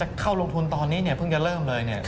เข้าลงทุนตอนนี้เนี่ยเพิ่งจะเริ่มเลย